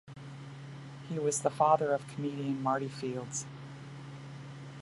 He was the father of comedian Marty Fields.